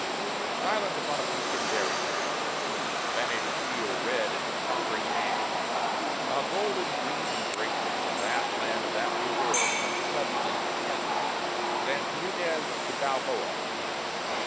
] "Silent upon a peak in Darien," The Spanish steel red in his conquering hand, While golden, green and gracious the vast land Of that new world comes sudden into ken Stands Nuñez da Balboa.